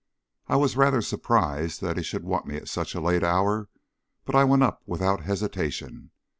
I was rather surprised that he should want me at such a late hour, but I went up without hesitation.